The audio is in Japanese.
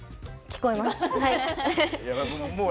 聞こえます。